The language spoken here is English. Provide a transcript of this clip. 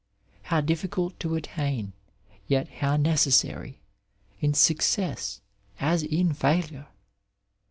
How difficult to attain, yet how necessary, in success as in failure!